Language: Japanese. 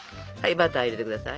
バター入れてください。